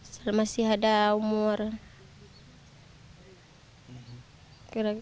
saya masih ada umur